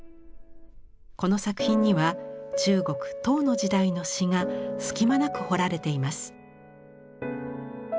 この作品には中国唐の時代の詩が隙間なく彫られています。